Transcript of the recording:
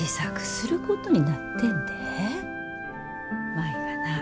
舞がな